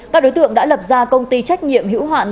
các đối tượng đã lập ra công ty trách nhiệm hữu hạn